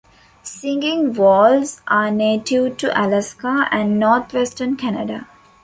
Singing voles are native to Alaska and north-western Canada.